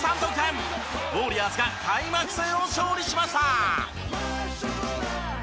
ウォリアーズが開幕戦を勝利しました。